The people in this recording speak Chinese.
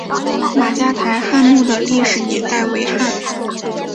马家台汉墓的历史年代为汉。